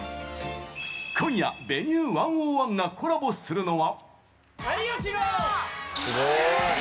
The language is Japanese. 今夜「Ｖｅｎｕｅ１０１」がコラボするのは。